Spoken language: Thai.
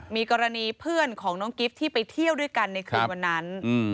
มีกรณีเพื่อนของน้องกิฟต์ที่ไปเที่ยวด้วยกันในคืนวันนั้น